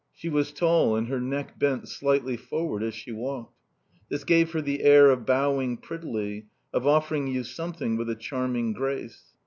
She was tall and her neck bent slightly forward as she walked; this gave her the air of bowing prettily, of offering you something with a charming grace.